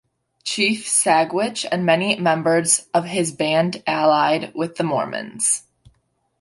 Chief Sagwitch and many members of his band allied with the Mormons.